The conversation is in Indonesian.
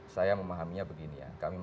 saya memahaminya begini